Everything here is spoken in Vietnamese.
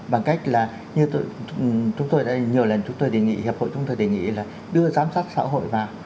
bằng cách là như chúng tôi đã nhiều lần chúng tôi đề nghị hiệp hội chúng tôi đề nghị là đưa giám sát xã hội vào